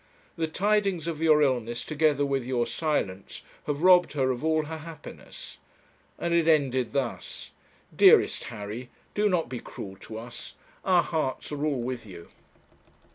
The tidings of your illness, together with your silence, have robbed her of all her happiness;' and it ended thus: 'Dearest Harry! do not be cruel to us; our hearts are all with you.'